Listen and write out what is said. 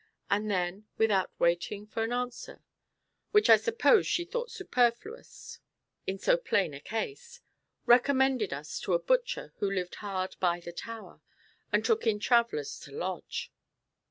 And then, without waiting for an answer, which I suppose she thought superfluous in so plain a case, recommended us to a butcher who lived hard by the tower, and took in travellers to lodge.